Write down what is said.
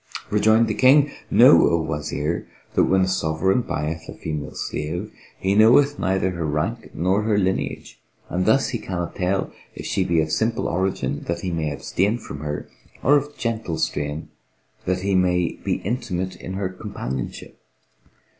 Rejoined the King, "Know, O Wazir, that when a sovereign buyeth a female slave, he knoweth neither her rank nor her lineage and thus he cannot tell if she be of simple origin that he may abstain from her, or of gentle strain that he may be intimate in her companionship.